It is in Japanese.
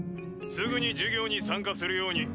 すぐに授業に参加するように。